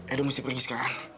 edo mesti pergi sekarang